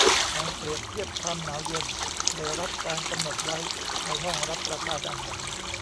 การเปรียบเทียบความหนาวเย็นได้รับการกำหนดไว้ในห้องรับประทานอาหาร